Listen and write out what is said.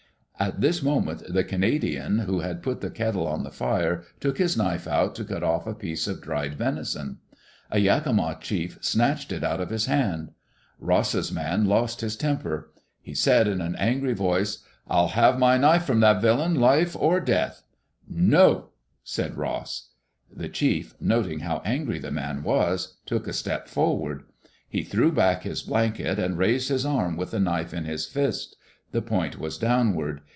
At this moment, the Canadian who had put the kettle on the fire took his knife out to cut off a piece of dried venison. A Yakima chief snatched it out of his hand. Ross's man lost his temper. He said in an angry voice, ril have my knife from that villain, life or death 1 "" NO 1" said Ross. The chief, noting how angry the man was, took a step forward. He threw back his blanket and raised his arm with the knife in his fist The point was downward.